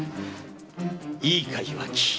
いいか岩城。